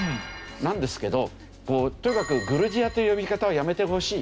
なんですけどとにかく「グルジア」という呼び方はやめてほしい。